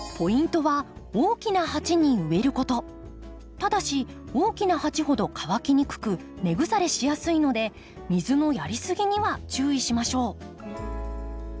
ただし大きな鉢ほど乾きにくく根腐れしやすいので水のやりすぎには注意しましょう。